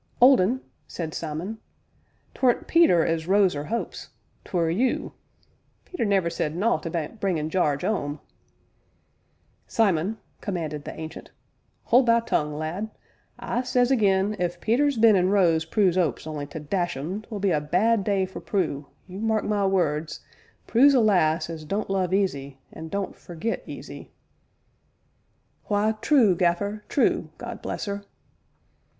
"Old Un," said Simon, "'tweren't Peter as rose 'er 'opes, 'twere you; Peter never said nowt about bringin' Jarge 'ome " "Simon," commanded the Ancient, "hold thy tongue, lad; I says again, if Peter's been an' rose Prue's 'opes only to dash 'em 't will be a bad day for Prue, you mark my words; Prue's a lass as don't love easy, an' don't forget easy." "Why, true, Gaffer, true, God bless 'er!"